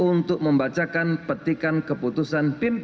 untuk membacakan petikan keputusan pimpinan